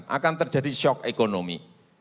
akan terjadi shock ekonomi